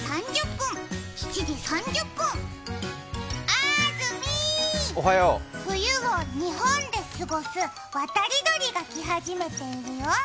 あーずみー、冬を日本で過ごす渡り鳥が来始めているよ。